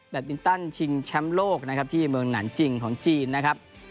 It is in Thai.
แบตมินตันชิงแชมป์โลกที่เมืองหนันจิงของจีนนะครับ